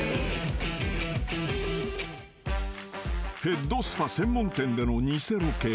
［ヘッドスパ専門店での偽ロケ］